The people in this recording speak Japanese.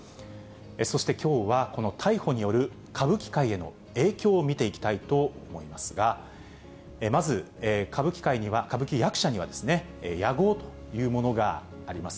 そしてきょうは、この逮捕による歌舞伎界への影響を見ていきたいと思いますが、まず、歌舞伎役者には屋号というものがあります。